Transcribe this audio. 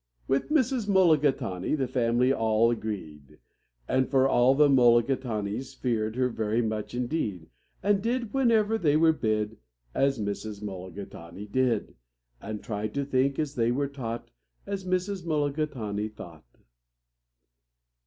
With Mrs. Mulligatawny the family all agreed, For all the Mulligatawnys feared her very much indeed, And did, whenever they were bid, As Mrs. Mulligatawny did, And tried to think, as they were taught, As Mrs. Mulligatawny thought.